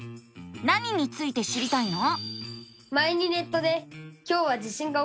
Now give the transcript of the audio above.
何について知りたいの？